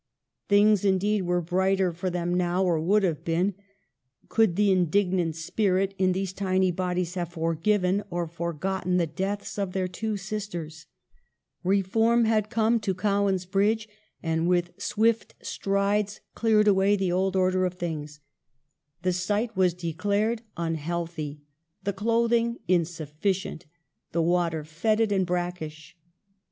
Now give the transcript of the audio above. Things, indeed, were COWAN'S BRIDGE. 51 brighter for them now, or would have been, could the indignant spirit in these tiny bodies have forgiven or forgotten the deaths of their two sisters. Reform had come to Cowan's Bridge, and with swift strides cleared away the old order of things. The site was declared unhealthy ; the clothing insufficient ; the water fetid and brackish.